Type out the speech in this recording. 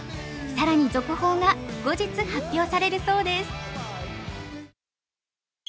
更に続報が後日発表されるそうです。